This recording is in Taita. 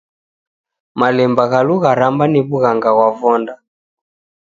Malemba gha lugharamba ni wughanga ghwa vonda.